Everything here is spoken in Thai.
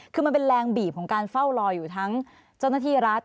คือมันเป็นแรงบีบของการเฝ้ารออยู่ทั้งเจ้าหน้าที่รัฐ